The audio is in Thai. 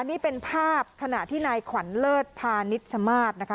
นี่เป็นภาพขณะที่นายขวัญเลิศพานิชมาศนะคะ